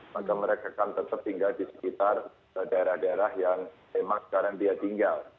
maka mereka akan tetap tinggal di sekitar daerah daerah yang memang sekarang dia tinggal